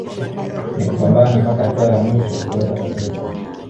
ni kupambana mpaka hatua ya mwisho kuweza kushinda